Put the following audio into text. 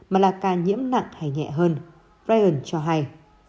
mà là ca nhiễm nặng hay nhẹ hơn brien cho hay